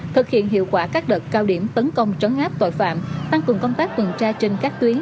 thực hiện hiệu quả các đợt cao điểm tấn công trấn áp tội phạm tăng cường công tác tuần tra trên các tuyến